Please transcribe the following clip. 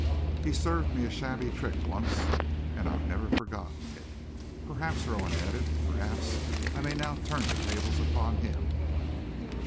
He served me a shabby trick once, and I've never forgotten it. Perhaps," Rowan added, "perhaps I may now turn the tables upon him."